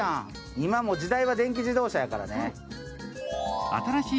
今、時代は電気自動車やからね。